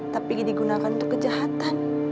tapi digunakan untuk kejahatan